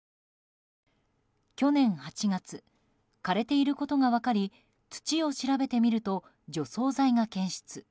去年８月枯れていることが分かり土を調べてみると除草剤が検出。